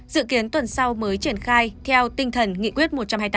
dự kiến tuần sau mới triển khai theo tinh thần nghị quyết một trăm hai mươi tám